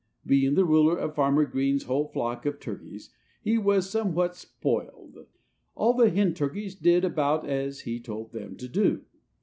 Being the ruler of Farmer Green's whole flock of turkeys, he was somewhat spoiled. All the hen turkeys did about as he told them to do.